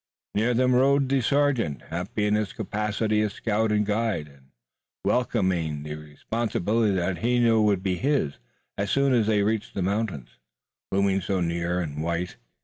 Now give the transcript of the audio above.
Near them rode the sergeant, happy in his capacity as scout and guide, and welcoming the responsibility that he knew would be his, as soon as they reached the mountains, looming so near and white.